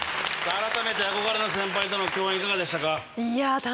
改めて憧れの先輩との共演いかがでしたか